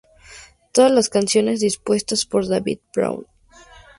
Todas las canciones compuestas por David Bowie.